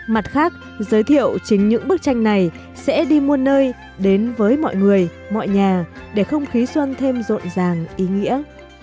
mặt khác giới thiệu chính những bức tranh này sẽ đi muôn nơi đến với mọi người mọi nhà để không khí xuân thêm rộn ràng ý nghĩa